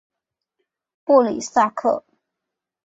布里萨克。